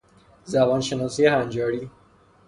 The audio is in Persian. زبان شناسی هنجاری